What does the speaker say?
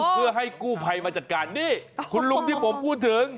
เพื่อให้กู้ภัยมาจัดการนี่คุณลุงที่ผมพูดถึง